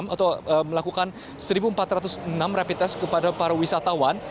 atau melakukan satu empat ratus enam rapid test kepada para wisatawan